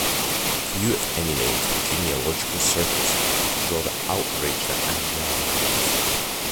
Few if any names in genealogical circles draw the outrage that Anjou enjoys.